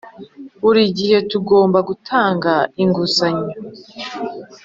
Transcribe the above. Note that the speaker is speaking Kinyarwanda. buri gihe tugomba gutanga inguzanyo